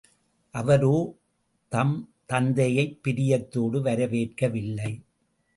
அவரோ, தம் தந்தையைப் பிரியத்தோடு வரவேற்கவில்லை.